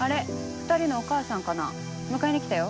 ２人のお母さんかな迎えに来たよ。